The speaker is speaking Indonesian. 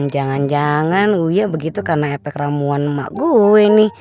jangan jangan gue begitu karena efek ramuan emak gue ini